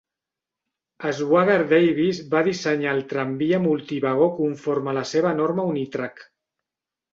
Schwager-Davis va dissenyar el tramvia multivagó conforme a la seva norma UniTrak.